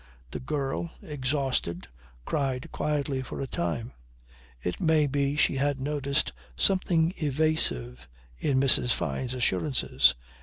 The girl, exhausted, cried quietly for a time. It may be she had noticed something evasive in Mrs. Fyne's assurances.